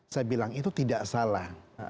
saya bilang itu tidak salah